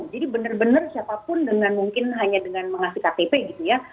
jadi benar benar siapapun dengan mungkin hanya dengan mengasih ktp gitu ya